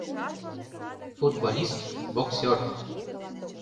Футболист, боксёр.